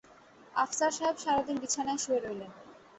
আফসার সাহেব সারা দিন বিছানায় শুয়ে রইলেন।